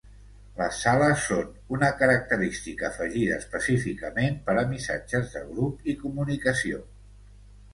Les Sales són una característica afegida específicament per a missatges de grup i comunicació.